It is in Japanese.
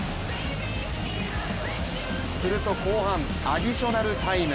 すると後半アディショナルタイム。